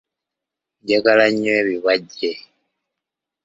Njagala nnyo ebibajje.